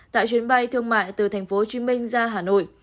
tại chuyến bay thương mại từ thành phố hồ chí minh ra hà nội